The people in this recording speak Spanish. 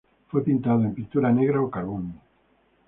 Fue pintado en pintura negra o carbón.